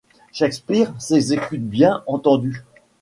Shakespeare s'exécute bien entendu.